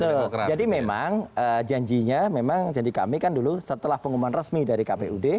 betul jadi memang janjinya memang jadi kami kan dulu setelah pengumuman resmi dari kpud